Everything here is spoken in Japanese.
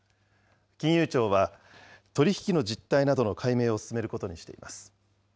金融庁は、取り引きの実態などの解明を進めることにしています。